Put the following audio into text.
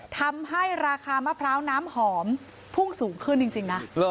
ทำให้ราคามะพร้าวน้ำหอมพุ่งสูงขึ้นจริงนะ